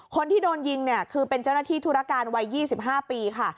คนที่โดนยิงเนี่ยคือเป็นเจ้าหน้าที่ธุรการวัย๒๕ปีค่ะ